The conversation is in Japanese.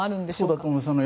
そうだと思います。